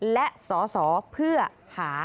และสอสอเพื่อหา